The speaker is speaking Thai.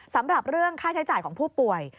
สำหรับเรื่องค่าใช้จ่ายของผู้ป่วย